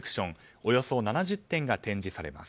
およそ７０点が展示されます。